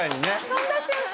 飛んだ瞬間？